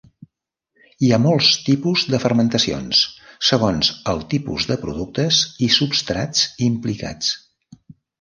Hi ha molts tipus de fermentacions segons el tipus de productes i substrats implicats.